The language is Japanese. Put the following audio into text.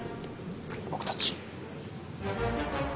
僕たち。